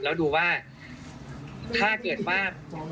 แล้วดูว่าถ้าเกิดว่า